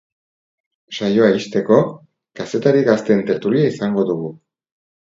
Saioa ixteko, kazetari gazteen tertulia izango dugu.